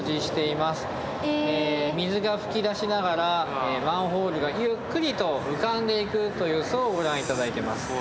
水が噴き出しながらマンホールがゆっくりと浮かんでいくという様子をご覧いただいてます。